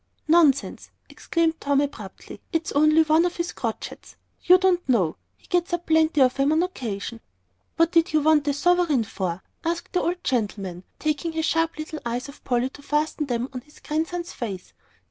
"Nonsense!" exclaimed Tom, abruptly. "It's only one of his crotchets. You don't know; he gets up plenty of 'em on occasion." "What did you want a sovereign for?" asked the old gentleman, querulously, taking his sharp little eyes off Polly to fasten them on his grandson's face.